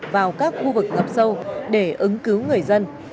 vào các khu vực ngập sâu để ứng cứu người dân